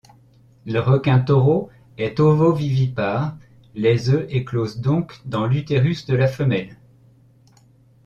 Le requin-taureau est ovovivipare, les œufs éclosent donc dans l'utérus de la femelle.